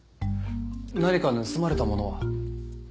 何か盗まれたものは？